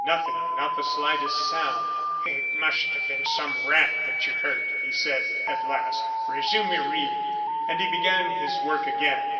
Nothing, not the slightest sound. "It must have been some rat that you heard," he said, at last. "Resume your reading." And he began his work again.